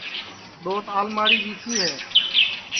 دؔوت آلماڑی وی سی ہے